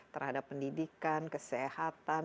terhadap pendidikan kesehatan